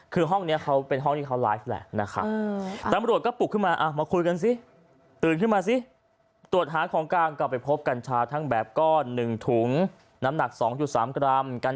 คือห้องนี้เป็นห้องที่เขาไลฟ์แหละนะคะตามรวดก็ปลุกขึ้นมามาคุยกันสิตื่นขึ้นมาสิ